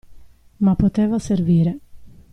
Ma poteva servire.